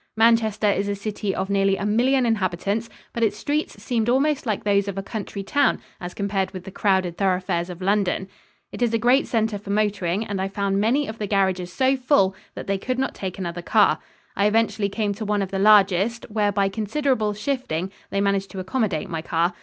Manchester is a city of nearly a million inhabitants, but its streets seemed almost like those of a country town as compared with the crowded thoroughfares of London. It is a great center for motoring and I found many of the garages so full that they could not take another car. I eventually came to one of the largest, where by considerable shifting they managed to accommodate my car.